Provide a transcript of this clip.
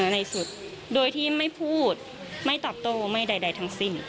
ในสุดโดยที่ไม่พูดไม่ตอบโต้ไม่ใดทั้งสิ้น